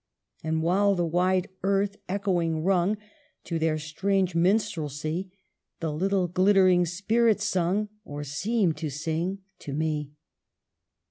" And, while the wide earth echoing rung To their strange minstrelsy, The little glittering spirits sung, Or seemed to sing, to me."